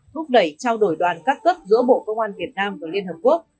thúc đẩy trao đổi đoàn các cấp giữa bộ công an việt nam và liên hợp quốc